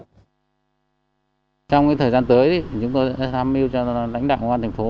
trong thời gian tới chúng tôi đã tham mưu cho đánh đạo công an thành phố